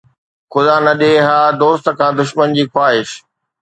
خدا نه ڏئي ها! دوست کان دشمن جي خواهش